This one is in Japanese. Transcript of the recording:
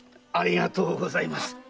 ありがとうございます。